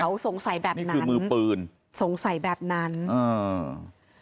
เขาสงสัยแบบนั้นมือปืนสงสัยแบบนั้นอ่า